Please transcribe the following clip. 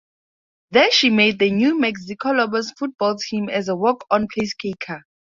There she made the New Mexico Lobos football team as a walk-on placekicker.